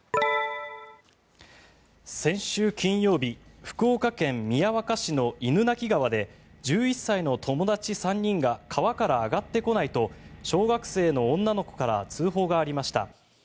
先週金曜日福岡県宮若市の犬鳴川で１１歳の友達３人が川から上がってこないと小学生の女の子から通報がありました。